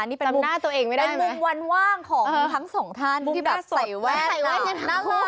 นี่เป็นมุมวันว่างทั้งสองท่านที่แบบใส่แวดน่ารัก